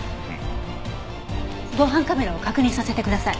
防犯カメラを確認させてください。